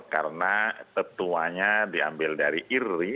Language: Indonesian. karena tetuanya diambil dari irri